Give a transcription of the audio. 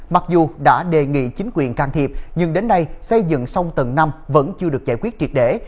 mặc dù đã đề nghị chính quyền can thiệp nhưng đến nay xây dựng xong tầng năm vẫn chưa được giải quyết triệt để